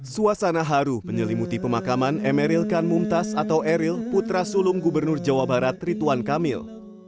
suasana haru menyelimuti pemakaman emeril kan mumtaz atau eril putra sulung gubernur jawa barat rituan kamil